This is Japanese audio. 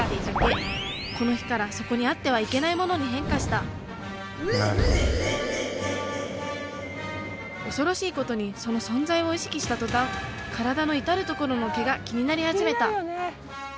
この日からそこにあってはいけないものに変化した恐ろしいことにその存在を意識したとたん体の至る所の毛が気になり始めた。